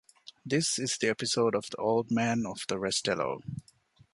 This is the episode of the Old Man of the Restelo.